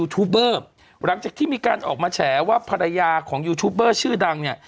หลังจากที่มีการออกมาแฉว่าภรรยาของยูทูบเบอร์ชื่อดังเนี่ย